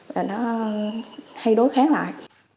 và nó hay đối kháng lại